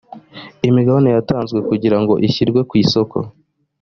imigabane yatanzwe kugira ngo ishyirwe ku isoko